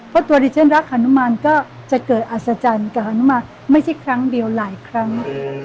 เพราะตัวดิฉันรักฮานุมานก็จะเกิดอัศจรรย์กับอนุมานไม่ใช่ครั้งเดียวหลายครั้ง